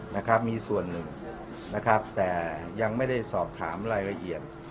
นะครับมีส่วนหนึ่งนะครับแต่ยังไม่ได้สอบถามรายละเอียด